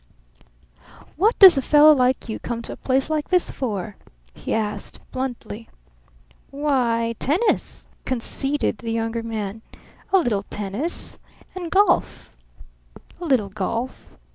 "What does a fellow like you come to a place like this for?" he asked bluntly. "Why tennis," conceded the Younger Man. "A little tennis. And golf a little golf.